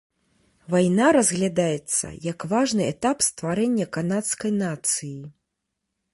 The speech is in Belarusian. Вайна разглядаецца як важны этап стварэння канадскай нацыі.